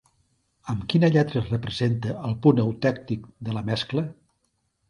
Amb quina lletra es representa al punt eutèctic de la mescla?